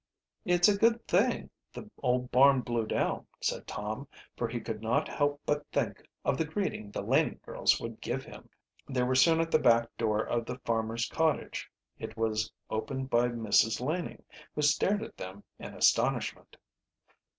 "It's a good thing the old barn blew down," said Tom, for he could not help but think of the greeting the Laning girls would give him. They were soon at the back door of the farmer's cottage. It was opened by Mrs. Laning, who stared at them in astonishment.